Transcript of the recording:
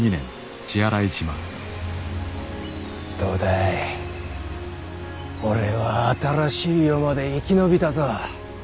どうだ俺は新しい世まで生き延びたぞ。